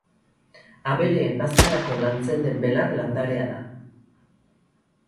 Abereen bazkarako lantzen den belar landarea da.